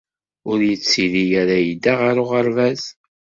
Ur yettili ara yedda ɣer uɣerbaz.